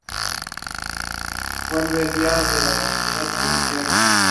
En la actualidad MacDowell mantiene todavía una relación profesional con esta firma.